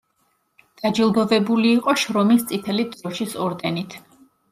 დაჯილდოვებული იყო შრომის წითელი დროშის ორდენით.